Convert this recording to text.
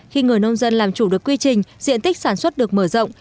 khi người nông dân làm chủ được quy trình diện tích sản xuất được mở rộng